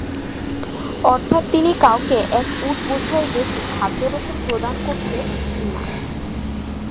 অর্থাৎ তিনি কাউকে এক উট বোঝাইর বেশি খাদ্য রসদ প্রদান করতেন না।